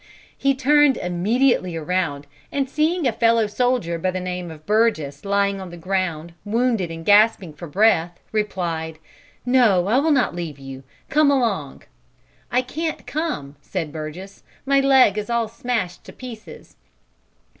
"He turned immediately around, and seeing a fellow soldier by the name of Burgess lying on the ground, wounded and gasping for breath, replied, 'No, I will not leave you; come along.' 'I can't come,' said Burgess, 'my leg is all smashed to pieces.'